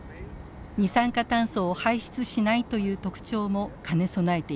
二酸化炭素を排出しないという特徴も兼ね備えています。